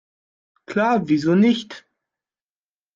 Klar, wieso nicht?